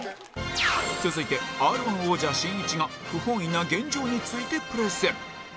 続いて Ｒ−１ 王者しんいちが不本意な現状についてプレゼン